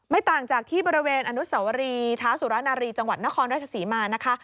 ต่างจากที่บริเวณอนุสวรีเท้าสุรนารีจังหวัดนครราชศรีมานะคะ